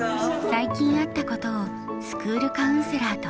最近あったことをスクールカウンセラーと話し合います。